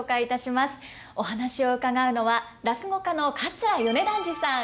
お話を伺うのは落語家の桂米團治さん